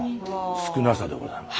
少なさでございます。